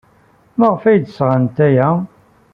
Maɣef ay d-sɣant aya?